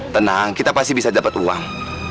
tenang kita pasti bisa dapat uang